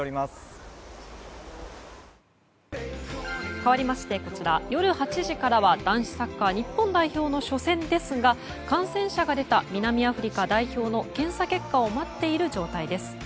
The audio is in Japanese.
かわりまして、夜８時からは男子サッカー日本代表の初戦ですが感染者が出た南アフリカ代表の検査結果を待っている状態です。